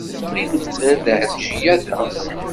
Iḍelli, nemlal-d Ɛelǧiya da.